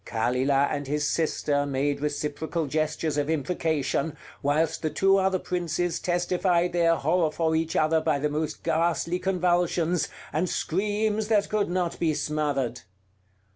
Kalilah and his sister made reciprocal gestures of imprecation, whilst the two other princes testified their horror for each other by the most ghastly convulsions, and screams that could not be smothered.